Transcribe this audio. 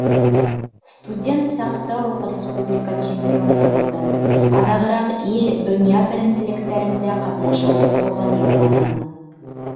Студент саҡта уҡ республика чемпионы булдым, аҙағыраҡ ил, донъя беренселектәрендә ҡатнашыу хоҡуғын яуланым.